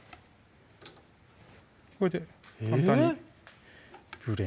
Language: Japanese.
これで簡単にえっ？